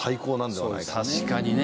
確かにね。